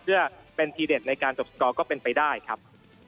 เพื่อเป็นทีเด็ดในการจบสกอร์ก็เป็นไปได้ครับ